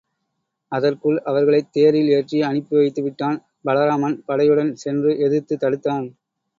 அதற்குள் அவர்களைத் தேரில் ஏற்றி அனுப்பி வைத்து விட்டான், பலராமன் படையுடன் சென்று எதிர்த்துத் தடுத்தான்.